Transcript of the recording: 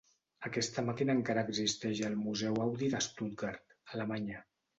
Aquesta màquina encara existeix al museu Audi de Stuttgart, Alemanya.